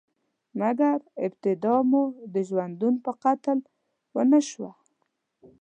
مګر، ابتدا مو د ژوندون په قتل ونشوه؟